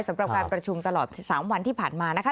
สำหรับการประชุมตลอด๓วันที่ผ่านมานะคะ